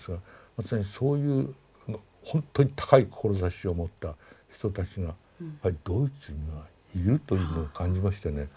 まさにそういうほんとに高い志を持った人たちがドイツにはいるというのを感じましてね。